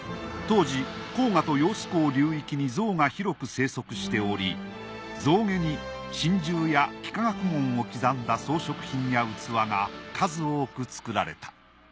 当時黄河と揚子江流域に象が広く生息しており象牙に神獣や幾何学文を刻んだ装飾品や器が数多く作られた。